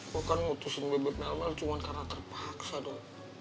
gue kan putusin bebek melman cuma karena terpaksa dong